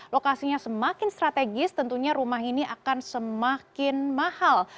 lokasinya semakin strategis tentunya rumah ini akan semakin mahal